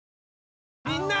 みんな！